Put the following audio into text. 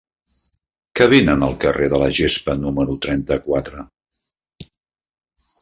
Què venen al carrer de la Gespa número trenta-quatre?